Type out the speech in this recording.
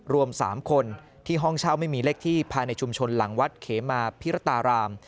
รวม๓คนที่ห้องเช่าไม่มีเลขที่ภายในชุมชนหลังวัดเขมาพิรตาราม